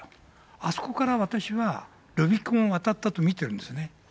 あそこから私はルビコンを渡ったと見てるんですね。